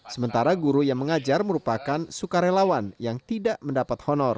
sementara guru yang mengajar merupakan sukarelawan yang tidak mendapat honor